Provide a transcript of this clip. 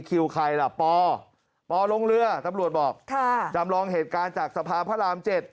คิวใครล่ะปปลงเรือตำรวจบอกจำลองเหตุการณ์จากสภาพระราม๗